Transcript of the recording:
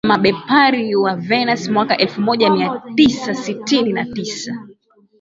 na Mabepari wa Venus mwaka elfumoja miatisa sitini na tisa